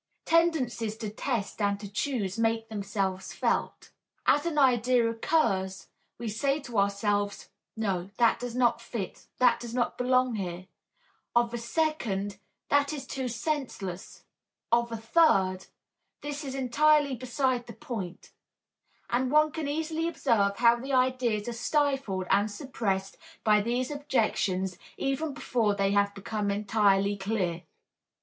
Tendencies to test and to choose make themselves felt. As an idea occurs, we say to ourselves "No, that does not fit, that does not belong here"; of a second "that is too senseless"; of a third, "this is entirely beside the point"; and one can easily observe how the ideas are stifled and suppressed by these objections, even before they have become entirely clear.